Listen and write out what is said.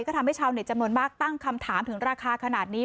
ก็ทำให้ชาวเน็ตจำนวนมากตั้งคำถามถึงราคาขนาดนี้